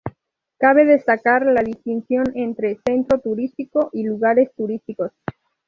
Cabe destacar la distinción entre "Centro Turístico" y "Lugares turísticos".